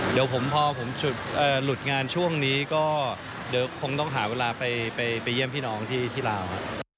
เดี๋ยวพอผมหลุดงานช่วงนี้ก็คงต้องหาเวลาไปเยี่ยมพี่น้องที่ราว